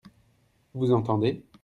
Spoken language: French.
Vous entendez ?